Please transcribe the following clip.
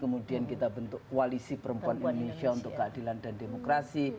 kemudian kita bentuk koalisi perempuan indonesia untuk keadilan dan demokrasi